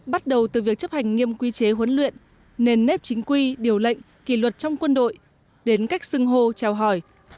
bắt đầu từ việc chấp hành nghiêm quy chế huấn luyện nền nếp chính quy điều lệnh kỳ luật trong quân đội đến cách sưng hô trao hỏi